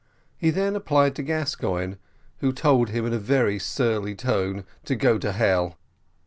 He then applied to Gascoigne, who told him in a very surly tone to go to hell.